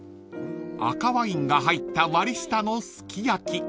［赤ワインが入った割り下のすき焼き］